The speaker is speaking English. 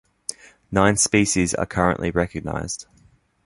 Nine species are currently recognized.